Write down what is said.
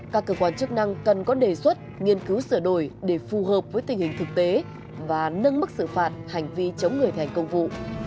các cơ quan chức năng cần có đề xuất nghiên cứu sửa đổi để phù hợp với tình hình thực tế và nâng mức xử phạt hành vi chống người thành công vụ